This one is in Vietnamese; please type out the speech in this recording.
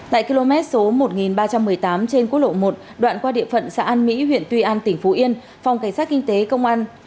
tại km số một ba trăm một mươi tám trên quốc lộ một đoạn qua địa phận xã an mỹ huyện tuy an tỉnh phú yên phòng cảnh sát kinh tế công an